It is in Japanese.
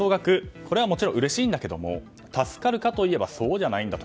これはもちろんうれしいけれど助かるかといえばそうじゃないんだと。